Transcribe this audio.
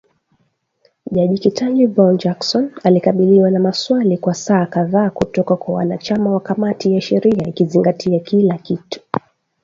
Jaji Ketanji Brown Jackson, alikabiliwa na maswali kwa saa kadhaa kutoka kwa wanachama wa kamati ya sheria ikizingatia kila kitu.